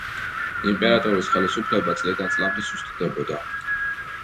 იმპერატორის ხელისუფლება წლიდან წლამდე სუსტდებოდა.